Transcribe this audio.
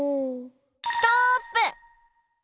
ストップ！